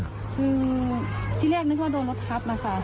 คือที่แรกนึกว่าโดนรถทับนะคะ